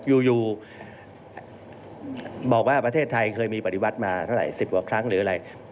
อยู่บอกว่าประเทศไทยเคยมีปฏิวัติมาเท่าไหร่๑๐กว่าครั้งหรืออะไร